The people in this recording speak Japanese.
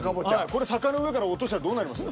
これ坂の上から落としたらどうなります？